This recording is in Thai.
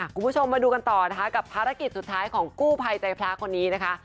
คุณผู้ชมมาดูกันต่อนะคะกับภารกิจสุดท้ายของกู้ภัยใจพระคนนี้นะคะ